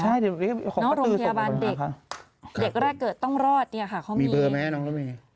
ใช่เดี๋ยวโรงพยาบาลเด็กเด็กแรกเกิดต้องรอดเนี่ยค่ะเขามีเบอร์ไหมน้องรถเมย์